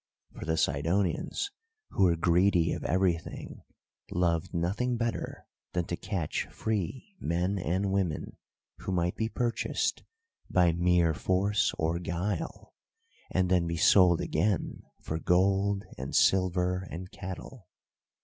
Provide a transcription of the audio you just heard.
For the Sidonians, who were greedy of everything, loved nothing better than to catch free men and women, who might be purchased, by mere force or guile, and then be sold again for gold and silver and cattle.